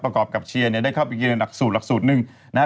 ประกอบกับเชียร์เนี่ยได้เข้าไปเรียนการหลักสูตรหลักสูตรหนึ่งนะฮะ